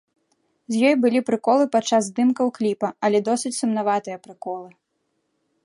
З ёй былі прыколы падчас здымкаў кліпа, але досыць сумнаватыя прыколы.